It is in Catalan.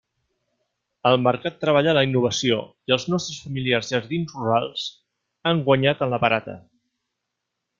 El mercat treballa la innovació i els nostres familiars jardins rurals han guanyat en la barata.